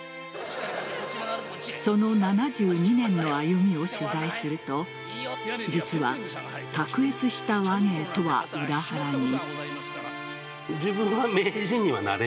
その７２年の歩みを取材すると実は卓越した話芸とは裏腹に。